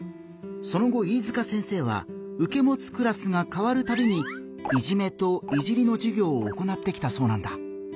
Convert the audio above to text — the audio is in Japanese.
その後飯塚先生はうけもつクラスが変わるたびに「いじめ」と「いじり」のじゅぎょうを行ってきたそうなんだ。